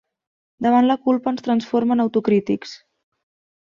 Davant la culpa ens transforma en autocrítics.